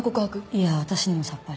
いや私にもさっぱり。